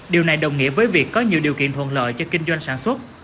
điều này đồng nghĩa với việc có nhiều điều kiện thuận lợi cho kinh doanh sản xuất